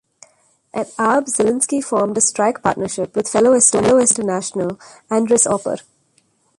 At Aab, Zelinski formed a strike partnership with fellow Estonian international Andres Oper.